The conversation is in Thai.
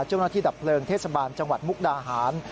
เจ้าหน้าที่ดับเปลิงเทศบาลจังหวัดมุกดาหาร